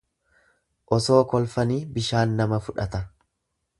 Osoo kolfanii bishaan nama fudhata.